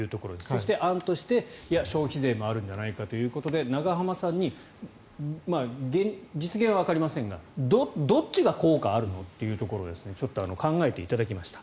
そして、案として消費税もあるんじゃないかということで永濱さんに実現はわかりませんがどっちが効果あるのというところを考えていただきました。